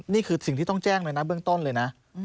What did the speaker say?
นี่คือสิ่งที่ต้องแจ้งเลยนะเบื้องต้นเลยนะ